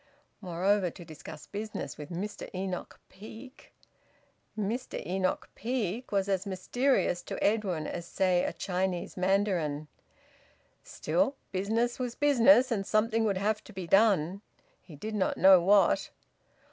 Moreover, to discuss business with Mr Enoch Peake... Mr Enoch Peake was as mysterious to Edwin as, say, a Chinese mandarin! Still, business was business, and something would have to be done. He did not know what.